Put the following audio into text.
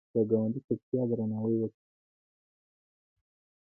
د ګاونډي چوپتیا درناوی وکړه